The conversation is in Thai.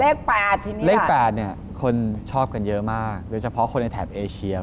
เลข๘ที่นี่ล่ะคุณชอบกันเยอะมากโดยเฉพาะคนในแถบเอเชีย